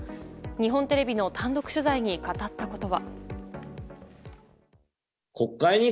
日本テレビの単独取材に語ったことは。